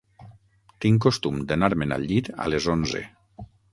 Tinc costum d'anar-me'n al llit a les onze.